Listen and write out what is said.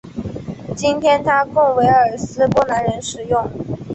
今天它供维尔纽斯的波兰人使用。